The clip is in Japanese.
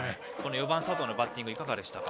４番、佐藤のバッティングいかがでしたか？